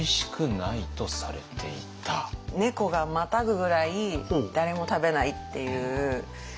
猫がまたぐぐらい誰も食べないっていう部分でしたね。